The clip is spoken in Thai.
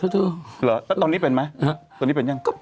เธอเหรอแล้วตอนนี้เป็นไหมตอนนี้เป็นยัง